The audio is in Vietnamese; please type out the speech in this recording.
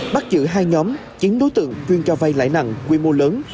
bắt giữ hai nhóm chín đối tượng chuyên cho vay lãi nặng quy mô lớn